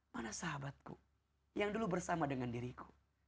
mana sahabatku yang dulu bersama dengan diriku